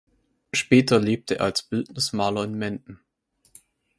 Später lebte er als Bildnismaler in Menden.